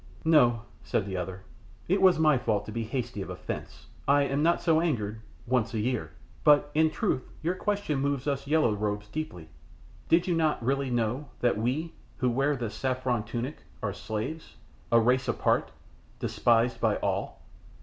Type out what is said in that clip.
"No," said the other, "it was my fault to be hasty of offence; I am not so angered once a year. But in truth your question moves us yellow robes deeply. Did you not really know that we who wear this saffron tunic are slaves, a race apart, despised by all."